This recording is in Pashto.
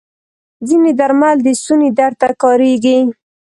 ځینې درمل د ستوني درد ته کارېږي.